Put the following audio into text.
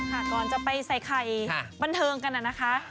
ก่อนจะไปใส่ไข่บันเทิงกันน่ะนะคะ